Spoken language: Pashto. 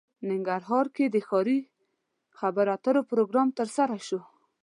ننګرهار کې د ښاري خبرو اترو پروګرام ترسره شو